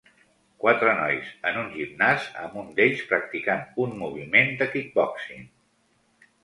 Quatre nois en un gimnàs amb un d'ells practicant un moviment de Kickboxing